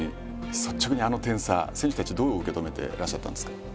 率直にあの点差選手たちどう受け止めてらっしゃったんですか？